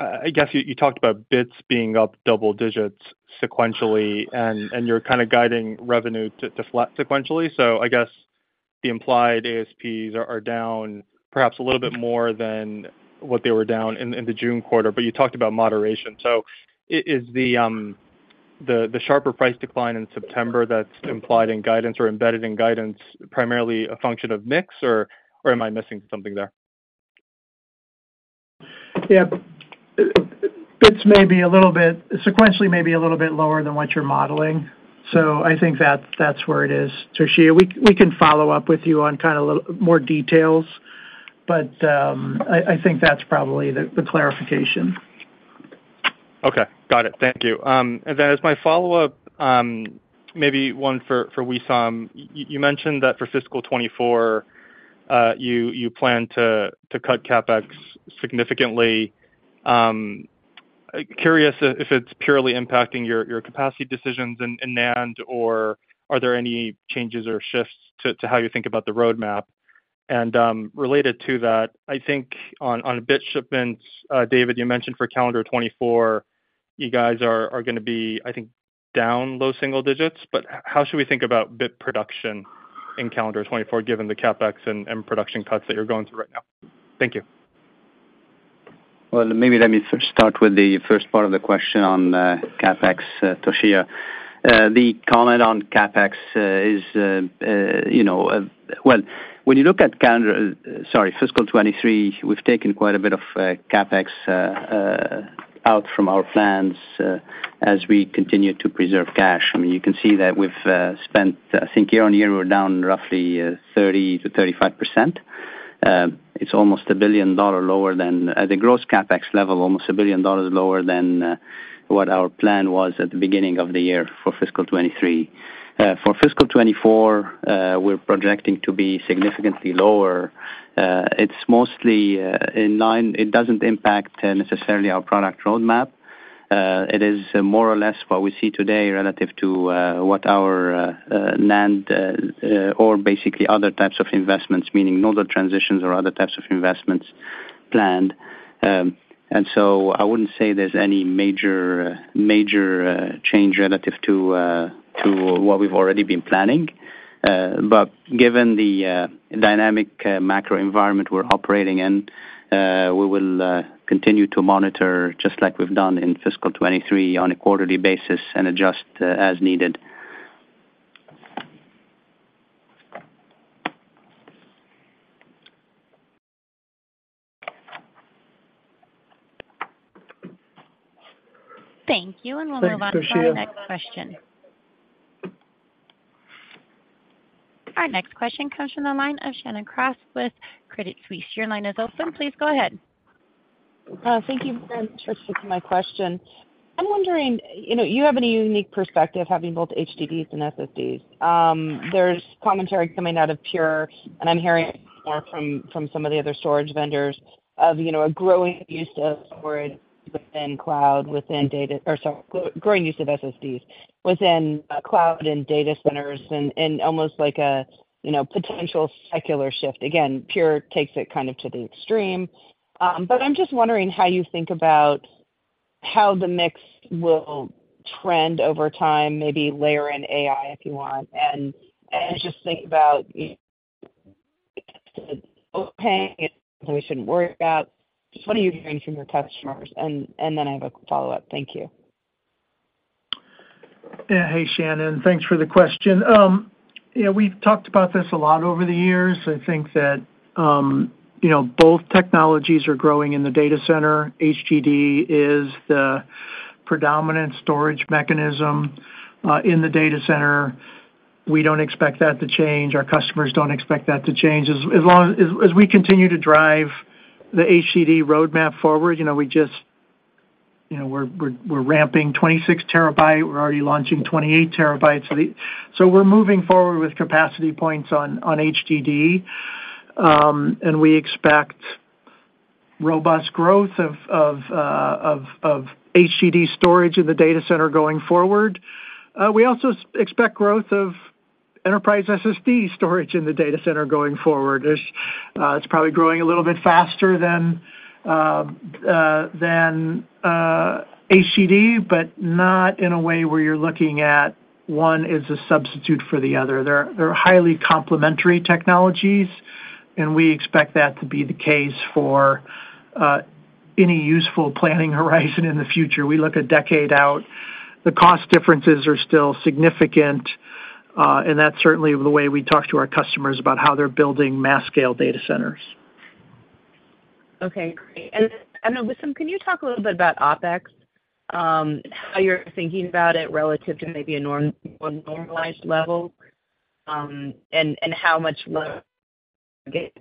L: I guess you, you talked about bits being up double-digits sequentially, and, and you're kind of guiding revenue to, to flat sequentially. So I guess the implied ASPs are, are down perhaps a little bit more than what they were down in, in the June quarter, but you talked about moderation. Is the, the, the sharper price decline in September that's implied in guidance or embedded in guidance, primarily a function of mix, or, or am I missing something there?
C: Yeah. Bits may be a little bit sequentially, may be a little bit lower than what you're modeling, so I think that's where it is, Toshiya. We can follow up with you on kind of more details, but I think that's probably the clarification.
L: Okay, got it. Thank you. Then as my follow-up, maybe one for Wissam. You mentioned that for fiscal 2024, you, you plan to, to cut CapEx significantly. Curious if, if it's purely impacting your, your capacity decisions in, in NAND, or are there any changes or shifts to, to how you think about the roadmap? Related to that, I think on, on bit shipments, David, you mentioned for calendar 2024, you guys are, are gonna be, I think, down low single digits, but how should we think about bit production in calendar 2024, given the CapEx and, and production cuts that you're going through right now? Thank you.
D: Well, maybe let me first start with the first part of the question on, CapEx, Toshiya. The comment on CapEx is, you know. Well, when you look at calendar, sorry, fiscal 2023, we've taken quite a bit of CapEx out from our plans, as we continue to preserve cash. I mean, you can see that we've spent, I think, year-over-year, we're down roughly 30%-35%. It's almost $1 billion lower than, at the gross CapEx level, almost $1 billion lower than what our plan was at the beginning of the year for fiscal 2023. For fiscal 2024, we're projecting to be significantly lower. It's mostly in line. It doesn't impact necessarily our product roadmap. It is more or less what we see today relative to what our NAND or basically other types of investments, meaning node transitions or other types of investments planned. I wouldn't say there's any major, major change relative to what we've already been planning. But given the dynamic macro environment we're operating in, we will continue to monitor, just like we've done in fiscal 2023, on a quarterly basis and adjust as needed.
A: Thank you.
C: Thanks, Toshiya.
A: We'll move on to our next question. Our next question comes from the line of Shannon Cross with Credit Suisse. Your line is open. Please go ahead.
M: Thank you for taking my question. I'm wondering, you know, you have a unique perspective having both HDDs and SSDs. There's commentary coming out of Pure, and I'm hearing more from, from some of the other storage vendors of, you know, a growing use of storage within cloud, within data, or sorry, growing use of SSDs within cloud and data centers, and, and almost like a, you know, potential secular shift. Again, Pure takes it kind of to the extreme. But I'm just wondering how you think about how the mix will trend over time, maybe layer in AI, if you want, and, and just think about, you know, we shouldn't worry about. Just what are you hearing from your customers? And, and then I have a follow-up. Thank you.
C: Yeah. Hey, Shannon, thanks for the question. Yeah, we've talked about this a lot over the years. I think that, you know, both technologies are growing in the data center. HDD is the predominant storage mechanism in the data center. We don't expect that to change. Our customers don't expect that to change. As long as we continue to drive the HDD roadmap forward, you know, we just, you know, we're, we're, we're ramping 26 TB. We're already launching 28 TBs. We're moving forward with capacity points on, on HDD, and we expect robust growth of, of, of, of HDD storage in the data center going forward. We also expect growth of enterprise SSD storage in the data center going forward. It's probably growing a little bit faster than HDD, but not in a way where you're looking at one as a substitute for the other. They're, they're highly complementary technologies, and we expect that to be the case for any useful planning horizon in the future. We look a decade out. The cost differences are still significant, and that's certainly the way we talk to our customers about how they're building mass-scale data centers.
M: Okay, great. I don't know, Wissam, can you talk a little bit about OpEx, how you're thinking about it relative to maybe a normalized level, and how much load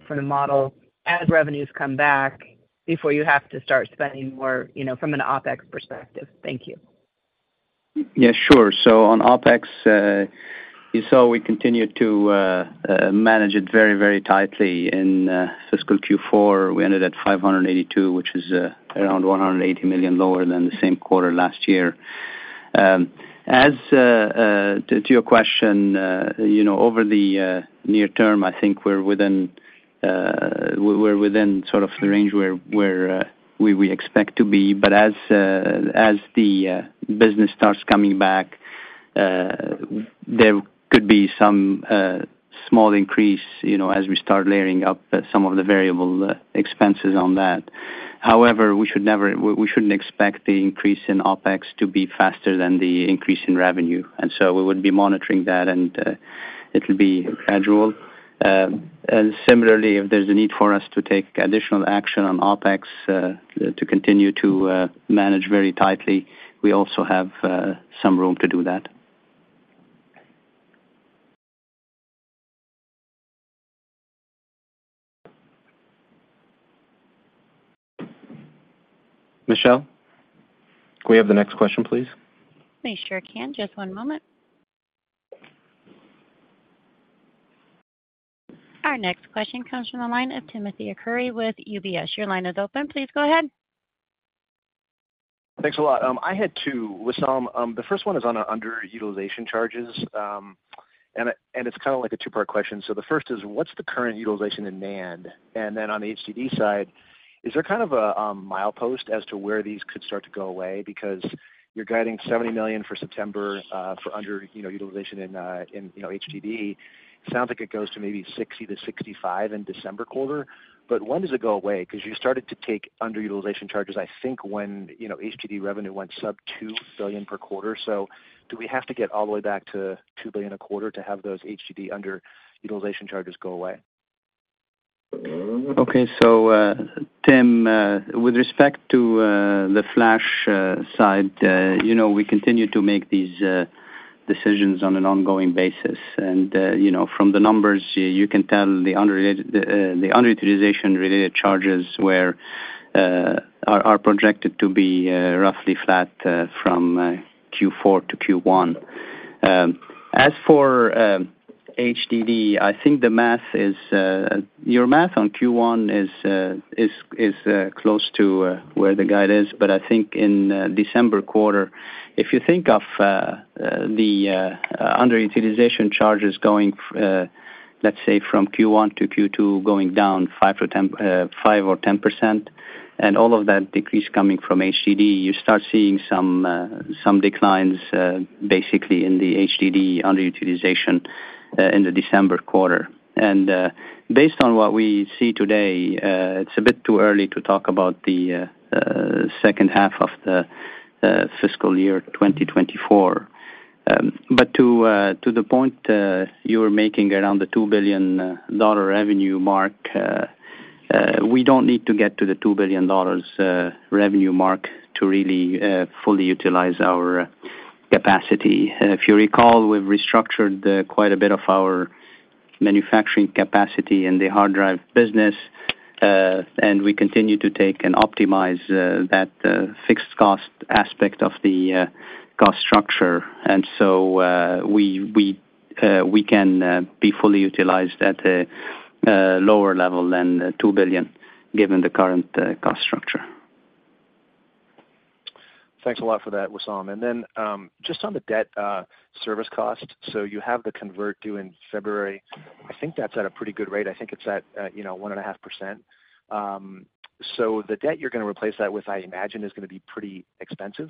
M: for the model as revenues come back before you have to start spending more, you know, from an OpEx perspective? Thank you.
D: Yeah, sure. On OpEx, you saw we continued to manage it very, very tightly. In fiscal Q4, we ended at $582, which is around $180 million lower than the same quarter last year. As to your question, you know, over the near term, I think we're within, we're within sort of the range where, where we expect to be. As the business starts coming back, there could be some small increase, you know, as we start layering up some of the variable expenses on that. However, we shouldn't expect the increase in OpEx to be faster than the increase in revenue, and so we would be monitoring that, and it'll be gradual. Similarly, if there's a need for us to take additional action on OpEx, to continue to manage very tightly, we also have some room to do that.
B: Michelle, can we have the next question, please?
A: We sure can. Just one moment. Our next question comes from the line of Timothy Arcuri with UBS. Your line is open. Please go ahead.
N: Thanks a lot. I had two, Wisam. The first one is on underutilization charges, and it's kind of like a two-part question. The first is, what's the current utilization in NAND? Then on the HDD side, is there kind of a milepost as to where these could start to go away? Because you're guiding $70 million for September, for under, you know, utilization in, you know, HDD. Sounds like it goes to maybe $60 million-$65 million in December quarter. When does it go away? Because you started to take underutilization charges, I think, when, you know, HDD revenue went sub $2 billion per quarter. Do we have to get all the way back to $2 billion a quarter to have those HDD underutilization charges go away?
D: Okay, Tim, with respect to the flash side, you know, we continue to make these decisions on an ongoing basis. From the numbers, you can tell the underrelated, the underutilization-related charges are projected to be roughly flat from Q4 to Q1. As for HDD, I think the math is, your math on Q1 is close to where the guide is, but I think in December quarter, if you think of the underutilization charges going, let's say, from Q1 to Q2, going down 5%-10%, 5% or 10%, and all of that decrease coming from HDD, you start seeing some declines basically in the HDD underutilization in the December quarter. Based on what we see today, it's a bit too early to talk about the second half of the fiscal year 2024. To the point you were making around the $2 billion revenue mark, we don't need to get to the $2 billion revenue mark to really fully utilize our capacity. If you recall, we've restructured quite a bit of our manufacturing capacity in the hard drive business, and we continue to take and optimize that fixed cost aspect of the cost structure. We, we, we can be fully utilized at a lower level than $2 billion, given the current cost structure.
N: Thanks a lot for that, Wissam. Just on the debt service cost. You have the convert due in February. I think that's at a pretty good rate. I think it's at, you know, 1.5%. The debt you're gonna replace that with, I imagine, is gonna be pretty expensive.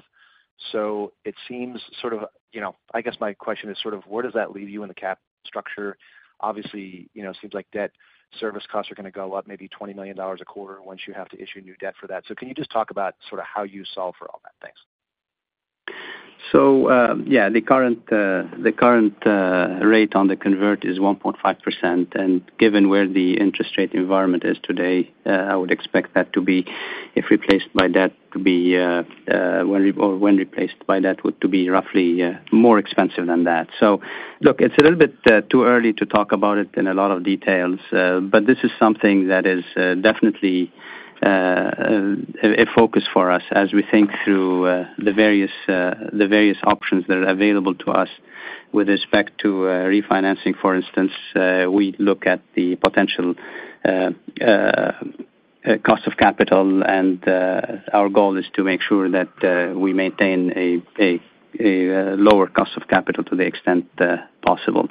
N: It seems sort of, you know, I guess my question is sort of: Where does that leave you in the cap structure? Obviously, you know, seems like debt service costs are gonna go up maybe $20 million a quarter once you have to issue new debt for that. Can you just talk about sort of how you solve for all that? Thanks.
D: Yeah, the current, the current, rate on the convert is 1.5%, and given where the interest rate environment is today, I would expect that to be, if replaced by debt, to be, when re- or when replaced by that, would to be roughly, more expensive than that. Look, it's a little bit, too early to talk about it in a lot of details, but this is something that is, definitely, a focus for us as we think through, the various, the various options that are available to us. With respect to, refinancing, for instance, we look at the potential, cost of capital, and, our goal is to make sure that, we maintain a lower cost of capital to the extent, possible.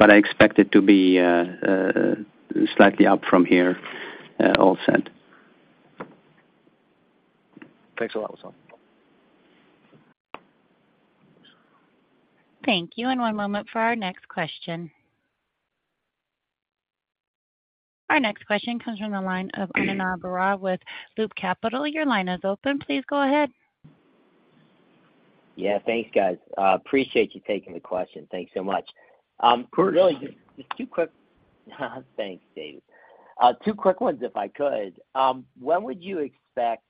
D: I expect it to be slightly up from here, all said.
N: Thanks a lot, Wissam.
A: Thank you, and one moment for our next question. Our next question comes from the line of Ananda Baruah with Loop Capital. Your line is open. Please go ahead.
O: Yeah, thanks, guys. Appreciate you taking the question. Thanks so much. Really, just two quick- Thanks, David. Two quick ones, if I could. When would you expect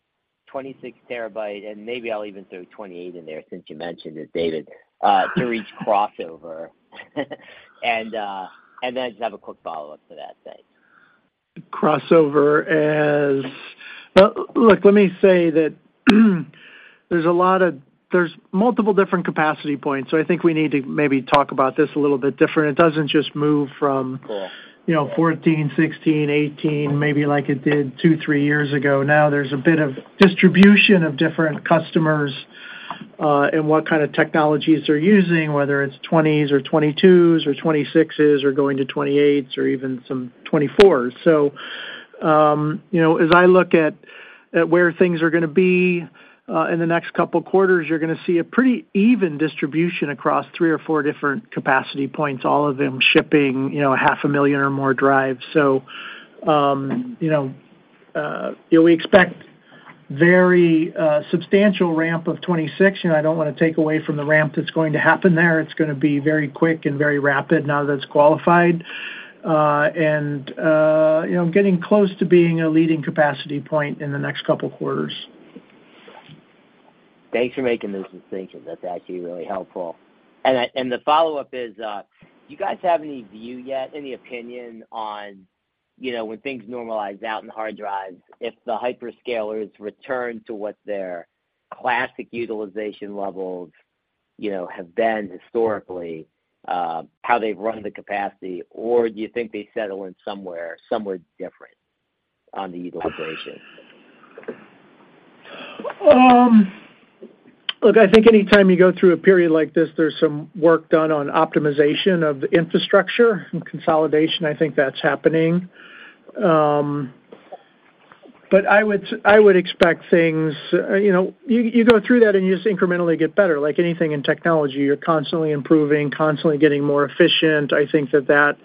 O: 26 TB, and maybe I'll even throw 28 in there, since you mentioned it, David, to reach crossover? Just have a quick follow-up to that. Thanks.
C: Look, let me say that, there's multiple different capacity points, so I think we need to maybe talk about this a little bit different. It doesn't just move.
O: Cool.
C: you know, 14, 16, 18, maybe like it did two, three years ago. Now, there's a bit of distribution of different customers, and what kind of technologies they're using, whether it's 20s or 22s or 26s or going to 28s or even some 24s. you know, as I look at, at where things are gonna be, in the next couple quarters, you're gonna see a pretty even distribution across three or four different capacity points, all of them shipping, you know, 500,000 or more drives. you know, we expect very substantial ramp of 26, and I don't wanna take away from the ramp that's going to happen there. It's gonna be very quick and very rapid now that it's qualified. And, you know, getting close to being a leading capacity point in the next couple quarters.
O: Thanks for making this distinction. That's actually really helpful. I-- and the follow-up is, do you guys have any view yet, any opinion on, you know, when things normalize out in hard drives, if the hyperscalers return to what their classic utilization levels, you know, have been historically, how they've run the capacity? Or do you think they settle in somewhere, somewhere different on the utilization?
C: Look, I think anytime you go through a period like this, there's some work done on optimization of the infrastructure and consolidation. I think that's happening. I would, I would expect things... You know, you, you go through that, and you just incrementally get better. Like anything in technology, you're constantly improving, constantly getting more efficient. I think that that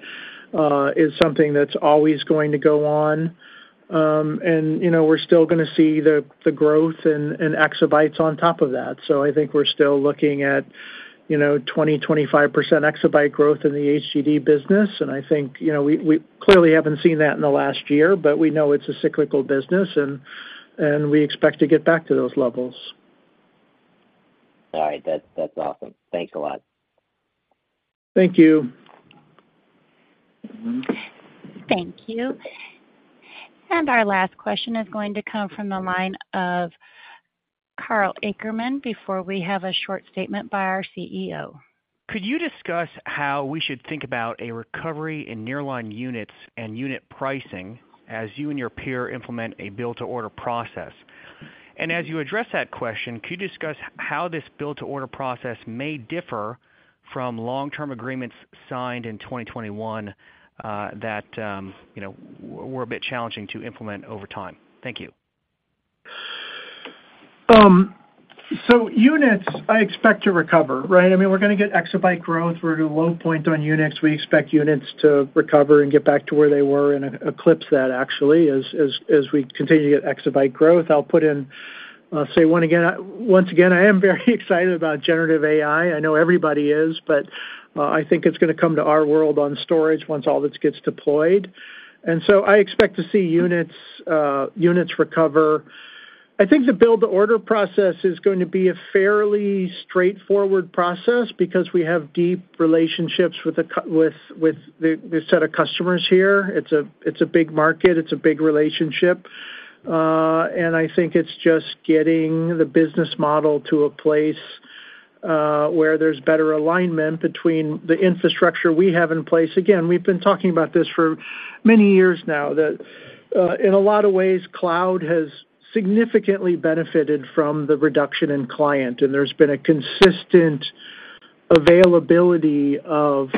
C: is something that's always going to go on. You know, we're still gonna see the, the growth and, and exabytes on top of that. I think we're still looking at, you know, 20%-25% exabyte growth in the HDD business, and I think, you know, we, we clearly haven't seen that in the last year, but we know it's a cyclical business, and, and we expect to get back to those levels.
O: All right. That's, that's awesome. Thanks a lot.
C: Thank you.
A: Thank you. Our last question is going to come from the line of Karl Ackerman, before we have a short statement by our CEO.
P: Could you discuss how we should think about a recovery in nearline units and unit pricing as you and your peer implement a build-to-order process? As you address that question, could you discuss how this build-to-order process may differ from long-term agreements signed in 2021 that, you know, were a bit challenging to implement over time? Thank you.
C: Units I expect to recover, right? I mean, we're gonna get exabyte growth. We're at a low point on units. We expect units to recover and get back to where they were and eclipse that actually, as, as, as we continue to get exabyte growth. I'll put in, say one again. Once again, I am very excited about generative AI. I know everybody is, but, I think it's gonna come to our world on storage once all this gets deployed. I expect to see units, units recover. I think the build-to-order process is going to be a fairly straightforward process because we have deep relationships with a with, with the, the set of customers here. It's a, it's a big market, it's a big relationship. I think it's just getting the business model to a place, where there's better alignment between the infrastructure we have in place. Again, we've been talking about this for many years now, that, in a lot of ways, cloud has significantly benefited from the reduction in client, and there's been a consistent availability of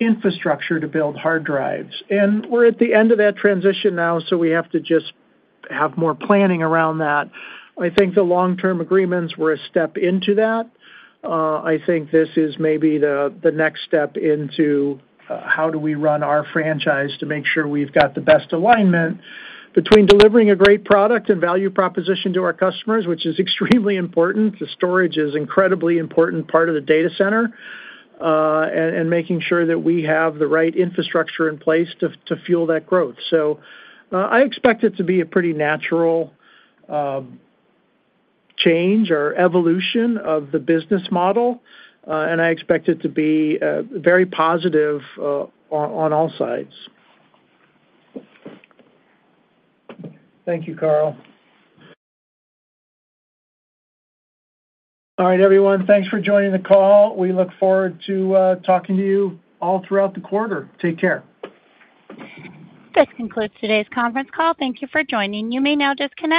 C: infrastructure to build hard drives. We're at the end of that transition now, so we have to just have more planning around that. I think the long-term agreements were a step into that. I think this is maybe the, the next step into, how do we run our franchise to make sure we've got the best alignment between delivering a great product and value proposition to our customers, which is extremely important. The storage is incredibly important part of the data center, and making sure that we have the right infrastructure in place to, to fuel that growth. I expect it to be a pretty natural, change or evolution of the business model, and I expect it to be, very positive, on, on all sides. Thank you, Karl. All right, everyone, thanks for joining the call. We look forward to talking to you all throughout the quarter. Take care.
A: This concludes today's conference call. Thank you for joining. You may now disconnect.